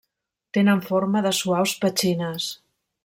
Tenen forma de suaus petxines.